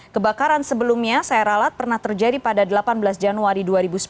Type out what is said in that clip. kebakaran sebelumnya saya ralat pernah terjadi pada delapan belas januari dua ribu sepuluh